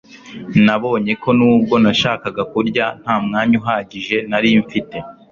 nabonye ko nubwo nashakaga kurya, nta mwanya uhagije nari mfite